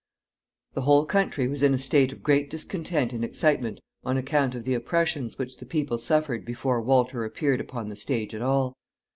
The whole country was in a state of great discontent and excitement on account of the oppressions which the people suffered before Walter appeared upon the stage at all.